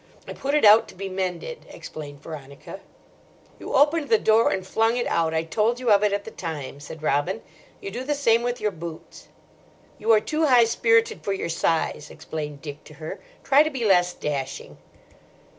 "I put it out to be mended," explained Veronica. "You opened the door and flung it out. I told you of it at the time," said Robin. "You do the same with your boots." "You are too high spirited for your size," explained Dick to her. "Try to be less dashing."